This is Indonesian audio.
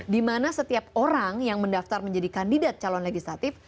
dimana setiap orang yang mendaftar menjadi kandidat calon legislatif